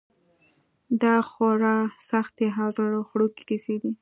دا خورا سختې او زړه خوړونکې کیسې دي.